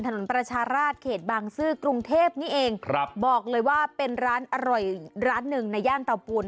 ถนนประชาราชเขตบางซื่อกรุงเทพนี่เองครับบอกเลยว่าเป็นร้านอร่อยร้านหนึ่งในย่านเตาปูน